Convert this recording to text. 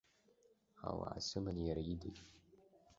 Ауаа сыман иара идагь.